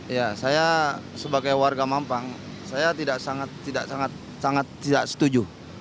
ya saya sebagai warga mampang saya tidak sangat tidak setuju